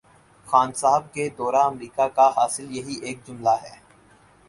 خان صاحب کے دورہ امریکہ کا حاصل یہی ایک جملہ ہے۔